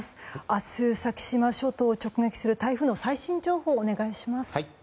明日、先島諸島を直撃する台風の最新情報をお願いします。